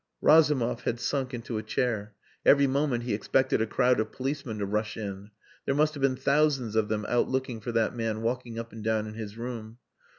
Razumov had sunk into a chair. Every moment he expected a crowd of policemen to rush in. There must have been thousands of them out looking for that man walking up and down in his room.